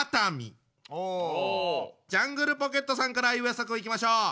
ジャングルポケットさんからあいうえお作文いきましょう。